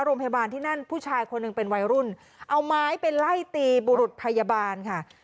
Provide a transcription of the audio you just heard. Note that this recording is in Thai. โรงพยาบาลที่นั่นผู้ชายคนหนึ่งเป็นวัยรุ่นเอาไม้ไปไล่ตีบุรุษพยาบาลค่ะ